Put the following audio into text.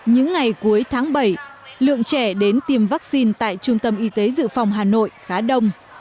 những ngày cuối tháng bảy lượng trẻ đến tiêm vaccine tại trung tâm y tế dự phòng hà nội khá đông